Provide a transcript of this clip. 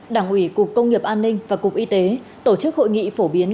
đảng ủy cục công nghiệp an ninh và cục y tế tổ chức hội nghị phổ biến